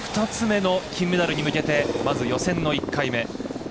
２つ目の金メダルに向けてまず予選の１回目。